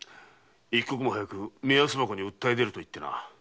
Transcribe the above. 一刻も早く目安箱に訴え出ると言ってな。